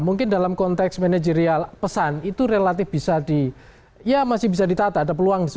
mungkin dalam konteks manajerial pesan itu relatif bisa di ya masih bisa ditata ada peluang